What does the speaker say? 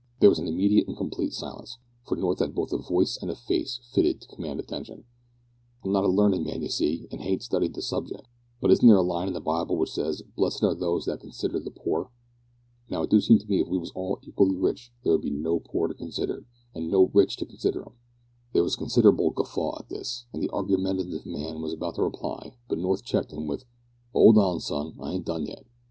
There was an immediate and complete silence, for North had both a voice and a face fitted to command attention. "I'm not a learned man, you see, an' hain't studied the subjec', but isn't there a line in the Bible which says, `Blessed are they that consider the poor?' Now it do seem to me that if we was all equally rich, there would be no poor to consider, an' no rich to consider 'em!" There was a considerable guffaw at this, and the argumentative man was about to reply, but North checked him with "'Old on, sir, I ain't done yet.